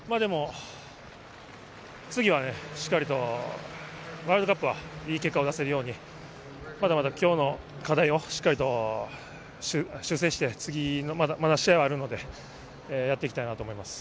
次はしっかりとワールドカップはいい結果が出せるように、まだまだきょうの課題をしっかりと修正して、次、まだ試合はあるので、やっていきたいなと思います。